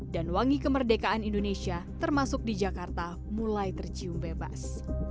dan wangi kemerdekaan indonesia termasuk di jakarta mulai tercium bebas